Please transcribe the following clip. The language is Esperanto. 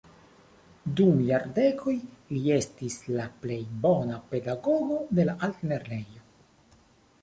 Dum jardekoj li estis la plej bona pedagogo de la altlernejo.